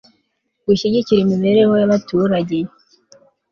gushyigikira imiibereho y abaturage